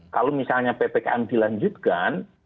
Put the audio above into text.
kalau misalnya ppkm dilanjutkan